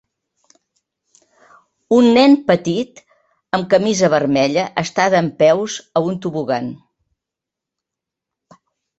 Un nen petit amb camisa vermella està dempeus a un tobogan.